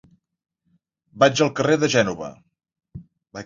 Vaig al carrer de Gènova.